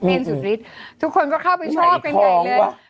เต้นสุดฤทธิ์ทุกคนก็เข้าไปชอบกันไกลเลยไหนท้องว่ะ